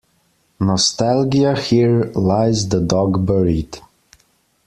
Nostalgia Here lies the dog buried.